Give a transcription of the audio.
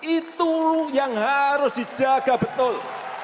itu yang harus dijaga betul